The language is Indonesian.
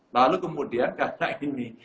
lalu kemudian karena ini